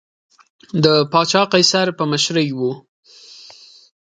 دا د پاچا قیصر په مشرۍ و